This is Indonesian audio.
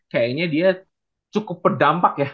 kayaknya dia cukup berdampak ya